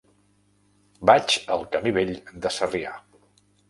Vaig al camí Vell de Sarrià.